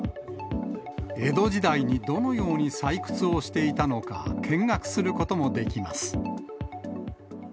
江戸時代にどのように採掘をしていたのか、見学することもできます。